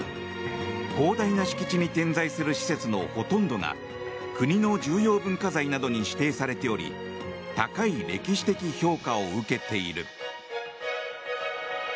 広大な敷地に点在する施設のほとんどが国の重要文化財などに指定されており高い歴史的評価を受けている。